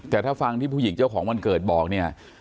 แต่ถ้าฟังที่ผู้หญิงเจ้าของวันเกิดบอกเนี่ย